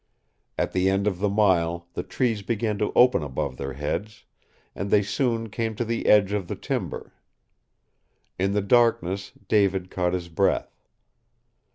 At the end of the mile the trees began to open above their heads, and they soon came to the edge of the timber. In the darkness David caught his breath.